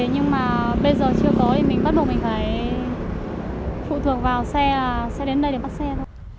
nhưng mà bây giờ chưa có thì mình bắt buộc mình phải phụ thuộc vào xe xe đến đây để bắt xe thôi